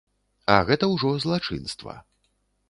А гэта ўжо злачынства.